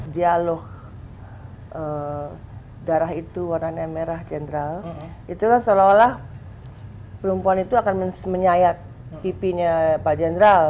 dialog darah itu warnanya merah jenderal itu kan seolah olah perempuan itu akan menyayat pipinya pak jenderal